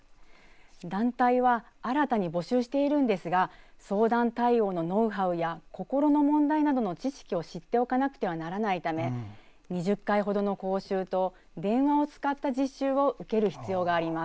団体は新たに募集しているんですが相談対応のノウハウや心の問題などの知識を知っておかなければならないため２０回ほどの講習と電話を使った実習を受ける必要があります。